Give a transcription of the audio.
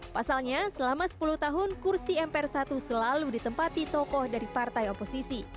pasalnya selama sepuluh tahun kursi mpr satu selalu ditempati tokoh dari partai oposisi